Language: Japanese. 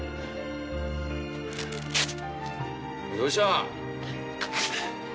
どうした？